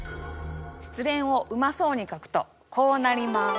失恋をうまそうに書くとこうなります。